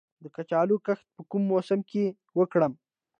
د کچالو کښت په کوم موسم کې وکړم؟